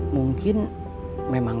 mungkin memang berarti